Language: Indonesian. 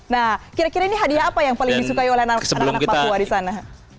nah kira kira ini hadiah apa yang paling disukai oleh anak anak papua di sana